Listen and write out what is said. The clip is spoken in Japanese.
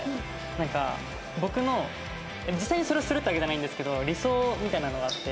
なんか僕の実際にそれをするってわけじゃないんですけど理想みたいなのがあって。